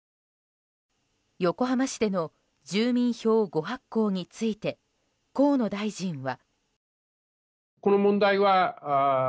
横浜市での住民票誤発行について河野大臣は。